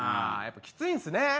やっぱきついんすね。